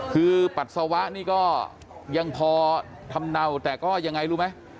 คือปัสสาวะนี่ก็ยังพอทำเนาแต่ก็ยังไงรู้ไหม